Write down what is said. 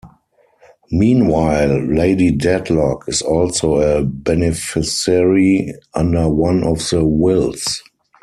Meanwhile, Lady Dedlock is also a beneficiary under one of the wills.